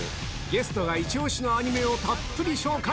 ゲストがイチ押しのアニメをたっぷり紹介！